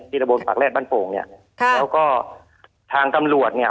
ที่ระบบฝากแรกบ้านโป่งเนี่ยแล้วก็ทางกำลวดเนี่ย